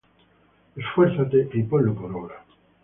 esfuérzate, y ponlo por obra.